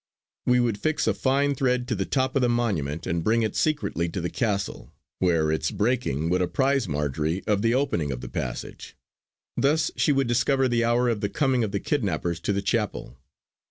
We would fix a fine thread to the top of the monument and bring it secretly to the castle, where its breaking would apprise Marjory of the opening of the passage; thus she would discover the hour of the coming of the kidnappers to the chapel.